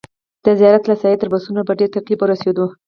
د زیارت له ساحې تر بسونو په ډېر تکلیف ورسېدو.